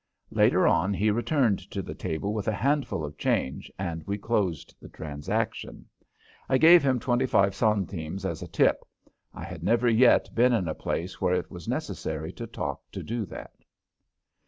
Later on he returned to the table with a handful of change and we closed the transaction. I gave him twenty five centimes as a tip I had never yet been in a place where it was necessary to talk to do that.